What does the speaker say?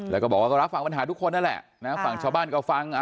แล้วก็บอกว่าก็รับฟังปัญหาทุกคนนั่นแหละนะฝั่งชาวบ้านก็ฟัง